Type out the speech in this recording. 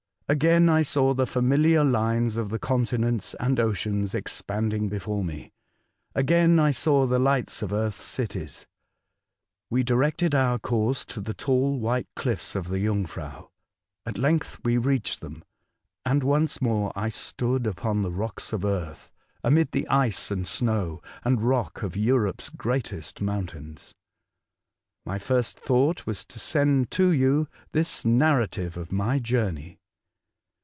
Again I saw the familiar lines of the continents and oceans expanding before me — again I saw the lights of Earth's cities. We directed our course to the tall, white cliffs of the Jungfrau. At length we reached them, and once more I stood upon the rocks of Earth, amid the ice and snow and rock of Europe's greatest mountains. My first thought was to send to you this narrative of my journey.